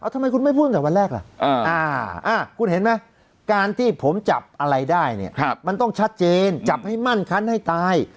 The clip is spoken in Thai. ทำไมคุณไม่พูดตั้งแต่วันแรกล่ะคุณเห็นไหมการที่ผมจับอะไรได้เนี่ยมันต้องชัดเจนจับให้มั่นคันให้ตาย